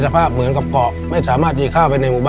ในแคมเปญพิเศษเกมต่อชีวิตโรงเรียนของหนู